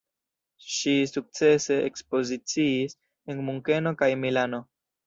Ŝi sukcese ekspoziciis en Munkeno kaj Milano.